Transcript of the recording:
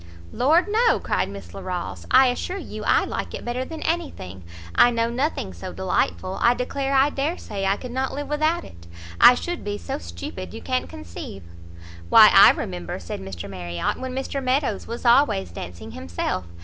"Lord no," cried Miss Larolles, "I assure you I like it better than any thing; I know nothing so delightful, I declare I dare say I could not live without it; I should be so stupid you can't conceive." "Why I remember," said Mr Marriot, "when Mr Meadows was always dancing himself.